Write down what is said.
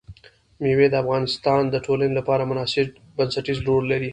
مېوې د افغانستان د ټولنې لپاره بنسټيز رول لري.